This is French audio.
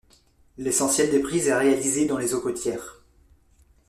L'essentiel des prises est réalisé dans les eaux côtières.